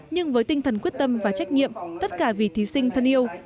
nhưng với tinh thần quyết tâm và trách nhiệm tất cả vì thí sinh thân yêu